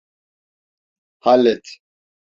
Hallet.